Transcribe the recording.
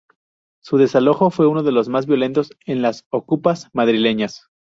Su desalojo fue uno de los más violentos en las "okupas" madrileñas.